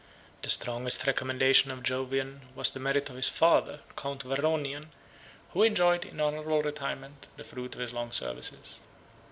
The strongest recommendation of Jovian was the merit of his father, Count Varronian, who enjoyed, in honorable retirement, the fruit of his long services.